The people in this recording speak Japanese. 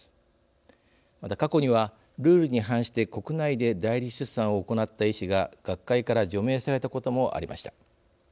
また過去にはルールに反して国内で代理出産を行った医師が学会から除名されたこともありました。